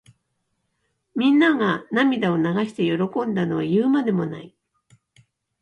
みんなが涙を流して喜んだのは言うまでもない。